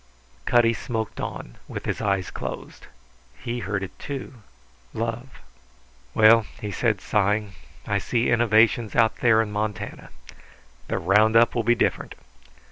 Cutty smoked on, with his eyes closed. He heard it, too. Love. "Well," he said, sighing, "I see innovations out there in Montana. The round up will be different.